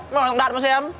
nói hồng đạt mà xem